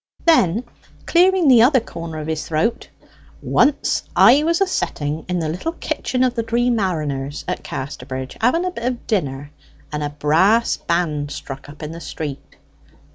Then clearing the other corner of his throat: "Once I was a setting in the little kitchen of the Dree Mariners at Casterbridge, having a bit of dinner, and a brass band struck up in the street.